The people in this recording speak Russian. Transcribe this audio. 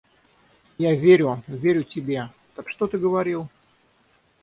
Я верю, верю тебе... Так что ты говорил?